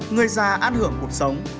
người già án hưởng cuộc sống